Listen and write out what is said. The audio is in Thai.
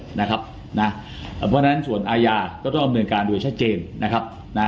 เพราะฉะนั้นส่วนอาญาก็ต้องเอาอำนวณการเดิมชัดเจน